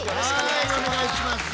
はいお願いします。